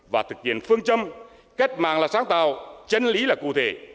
và thực hiện phương châm cách mạng là sáng tạo chân lý là cụ thể